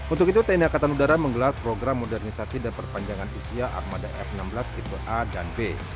untuk itu tni angkatan udara menggelar program modernisasi dan perpanjangan usia armada f enam belas tipe a dan b